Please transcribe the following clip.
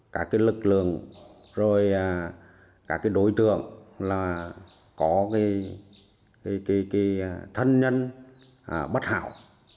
các lực lượng các đối tượng có thân nhân bất hảo